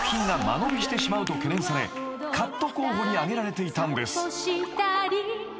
［と懸念されカット候補に挙げられていたんです］